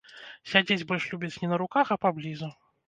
Сядзець больш любіць не на руках, а паблізу.